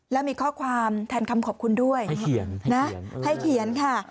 แล้วมีข้อความแทนคำขอบคุณด้วยให้เขียนค่ะ